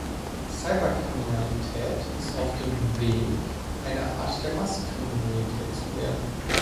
Cyberkriminalität ist auf dem Weg, eine Art der Massenkriminalität zu werden.